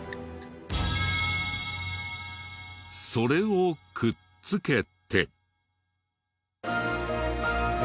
それをくっつけて。